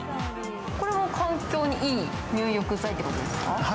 これも環境にいい入浴剤ということですか？